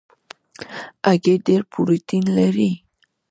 هګۍ ډېره پروټین لري.